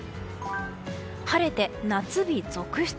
晴れて夏日続出。